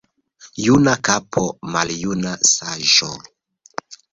Juna kapo, maljuna saĝo.